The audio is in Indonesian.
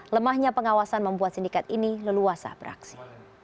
lemahnya pengawasan membuat sindikat ini leluasa beraksi